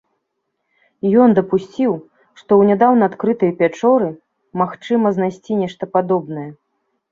Ён дапусціў, што ў нядаўна адкрытай пячоры магчыма знайсці нешта падобнае.